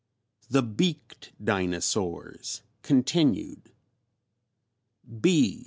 THE BEAKED DINOSAURS (Continued). B.